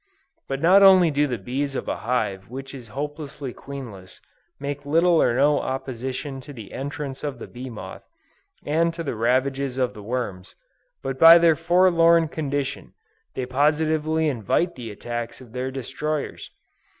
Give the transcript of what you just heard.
But not only do the bees of a hive which is hopelessly queenless, make little or no opposition to the entrance of the bee moth, and to the ravages of the worms, but by their forlorn condition, they positively invite the attacks of their destroyers.